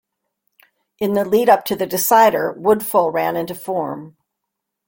In the lead-up to the decider, Woodfull ran into form.